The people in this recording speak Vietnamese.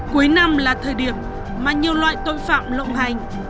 cuối năm là thời điểm mà nhiều loại tội phạm lộng hành